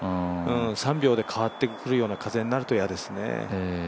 ３秒で変わってくるような風になると嫌ですね。